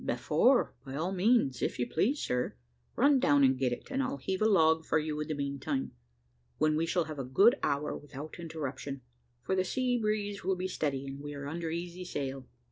"Before, by all means, if you please, sir. Run down and get it, and I'll heave the log for you in the meantime, when we shall have a good hour without interruption, for the sea breeze will be steady, and we are under easy sail."